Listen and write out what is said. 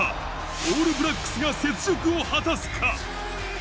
オールブラックスが雪辱を果たすか。